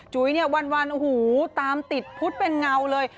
จุ๊ยวันตามติดพุทธเป็นเงาเลย